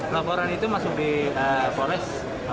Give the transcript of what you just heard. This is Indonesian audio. laporan itu masuk di polres